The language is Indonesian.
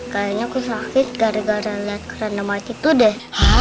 kayaknya aku sakit gara gara liat kerendam ayat itu deh